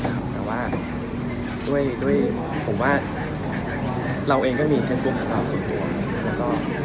แล้วว่าโดยผมว่าเราเองก็มีคำสั่งแท้ต่อส่วนตัว